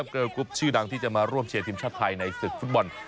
เกอร์กรุ๊ปชื่อดังที่จะมาร่วมเชียร์ทีมชาติไทยในศึกฟุตบอล